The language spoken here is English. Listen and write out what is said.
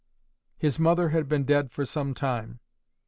His mother had been dead for some time.